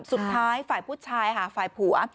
สุดท้ายฝ่ายผู้ชายค่ะฝ่ายผัว